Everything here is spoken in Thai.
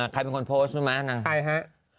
ใครเป็นคนโพสต์มั้ยนางใครฮะ